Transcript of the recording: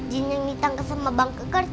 jin yang ditangkap sama bang keker